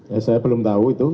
ya saya belum tahu itu